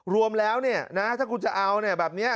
รวมแล้วนะถ้าคุณจะเอาแบบนี้